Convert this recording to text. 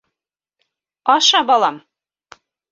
Аша, балам.